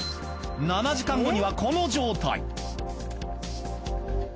７時間後にはこの状態。